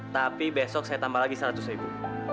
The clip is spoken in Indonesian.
tapi besok saya tambah lagi seratus ribu